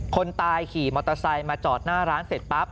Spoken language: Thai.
คนตายขี่มอเตอร์ไซค์มาจอดหน้าร้านเสร็จปั๊บ